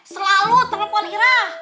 selalu telepon ira